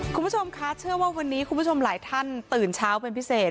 คุณผู้ชมคะเชื่อว่าวันนี้คุณผู้ชมหลายท่านตื่นเช้าเป็นพิเศษ